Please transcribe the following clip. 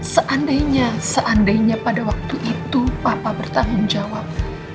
seandainya seandainya pada waktu itu papa bertanggung jawab